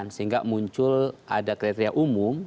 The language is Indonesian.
sehingga muncul ada kriteria umum